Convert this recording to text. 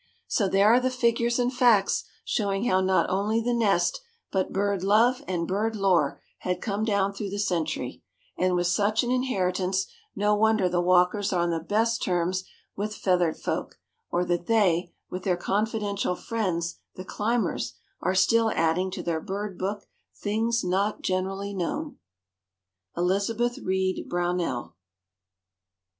So there are the figures and facts showing how not only the nest, but bird love and bird lore had come down through the century, and with such an inheritance, no wonder the Walkers are on the best of terms with feathered folk, or that they, with their confidential friends, the Clymers, are still adding to their bird book things not generally known. Elizabeth Reed Brownell.